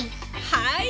はい！